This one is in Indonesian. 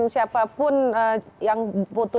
siapapun yang foto